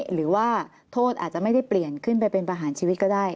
หรือว่าโทษอาจจะไม่ได้เปลี่ยนขึ้นไปเป็นประหารชีวิตก็ได้